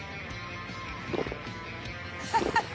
「ハハハ！」